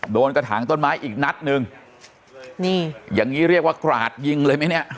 โดนกระถางต้นไม้อีกนัดหนึ่งนี่อย่างงี้เรียกว่ากราดยิงเลยไหมเนี่ย